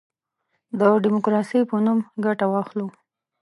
د ډیموکراسی په نوم ګټه واخلو.